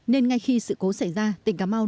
nên ngay khi sự cố xảy ra tỉnh cà mau